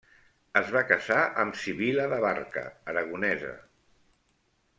Es va casar amb Sibil·la d'Abarca, aragonesa.